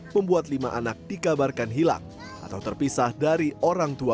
membuat lima anak di kabupaten lembata nusa tenggara timur menangkut